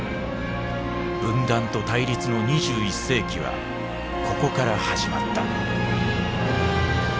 分断と対立の２１世紀はここから始まった。